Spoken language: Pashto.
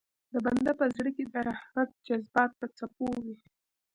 د بنده په زړه کې د رحمت جذبات په څپو وي.